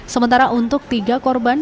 sementara untuk tiga korban